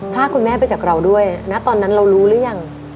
ลากคุณแม่ไปจากเราด้วยนะตอนนั้นเรารู้หรือยัง